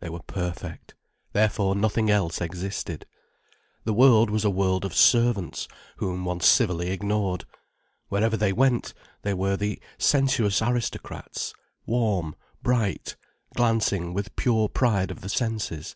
They were perfect, therefore nothing else existed. The world was a world of servants whom one civilly ignored. Wherever they went, they were the sensuous aristocrats, warm, bright, glancing with pure pride of the senses.